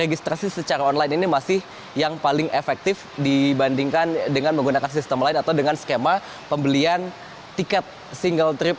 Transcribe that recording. registrasi secara online ini masih yang paling efektif dibandingkan dengan menggunakan sistem lain atau dengan skema pembelian tiket single trip